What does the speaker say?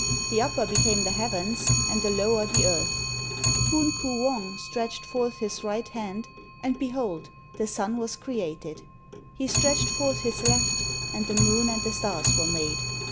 The upper became the heavens and the lower the earth. Poon Koo Wong stretched forth his right hand, and behold the sun was created; he stretched forth his left, and the moon and the stars were made.